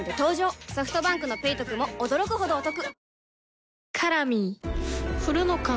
ソフトバンクの「ペイトク」も驚くほどおトク